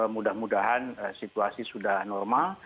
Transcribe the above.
mudah mudahan situasi sudah normal